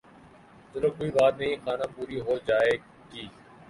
چلو کوئی بات نہیں خانہ پوری ھو جاے گی